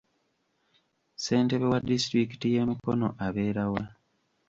Ssentebe wa disitulikiti y’e Mukono abeera wa?